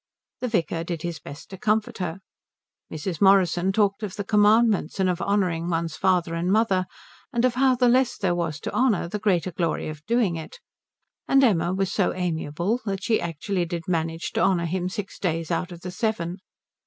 The vicar did his best to comfort her. Mrs. Morrison talked of the commandments and of honouring one's father and mother and of how the less there was to honour the greater the glory of doing it; and Emma was so amiable that she actually did manage to honour him six days out of the seven.